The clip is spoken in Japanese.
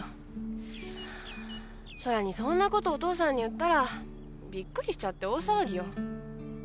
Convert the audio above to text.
それにそんなことお父さんに言ったらびっくりしちゃって大騒ぎよ。